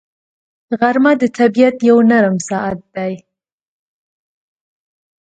غرمه د طبیعت یو نرم ساعت دی